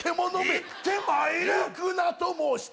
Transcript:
行くなと申した